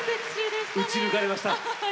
撃ち抜かれました。